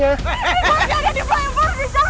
gue aja ada di belakang jalan